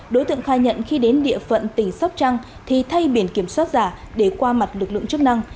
đối tượng khai nhận khi đến địa phận tỉnh sóc trăng thì thay biển kiểm soát giả để qua mặt lực lượng chức năng